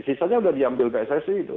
sisanya sudah diambil pssi itu